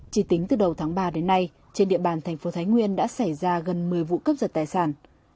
chỉ tính từ đầu tháng ba đến nay trên địa bàn thành phố thái nguyên đã xảy ra gần một mươi vụ cướp giật tài sản